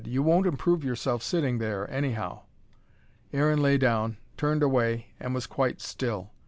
"You won't improve yourself sitting there, anyhow." Aaron lay down, turned away, and was quite still.